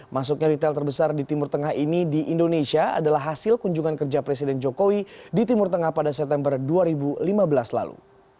masuknya retail terbesar di timur tengah ini di indonesia adalah hasil kunjungan kerja presiden jokowi di timur tengah pada september dua ribu lima belas lalu